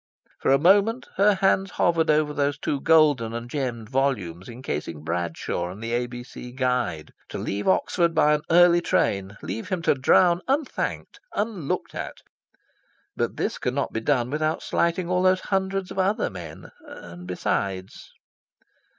For a moment her hands hovered over those two golden and gemmed volumes encasing Bradshaw and the A.B.C. Guide. To leave Oxford by an early train, leave him to drown unthanked, unlooked at... But this could not be done without slighting all those hundreds of other men ... And besides...